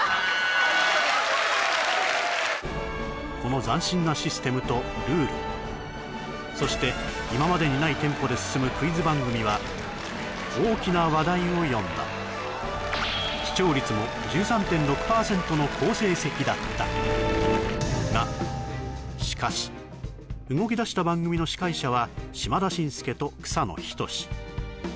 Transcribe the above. この斬新なシステムとルールそして今までにないテンポで進むクイズ番組は大きな話題を呼んだの好成績だったがしかし動きだした番組の司会者は島田紳助と草野仁